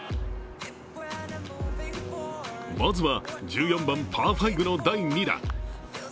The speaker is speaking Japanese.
まずは１４番パー５の第２打。